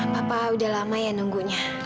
papa udah lama ya nunggunya